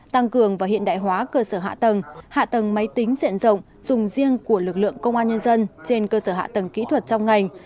tăng cường và hiện đại hóa cơ sở hạ tầng hạ tầng máy tính diện rộng dùng riêng của lực lượng công an nhân dân trên cơ sở hạ tầng kỹ thuật trong ngành